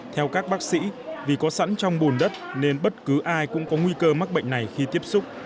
theo các bác sĩ vì có sẵn trong bùn đất nên bất cứ ai cũng có nguy cơ mắc bệnh này khi tiếp xúc